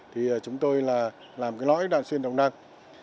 thì chúng tôi là làm cái lõi đạn xuyên động năng